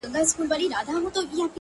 هره هڅه د ځان د اصلاح برخه ده